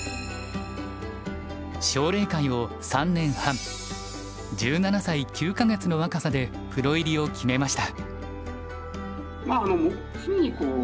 奨励会を３年半１７歳９か月の若さでプロ入りを決めました。